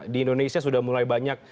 di indonesia sudah mulai banyak